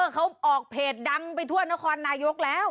เขาออกเพจดังไปทั่วนครนายกแล้ว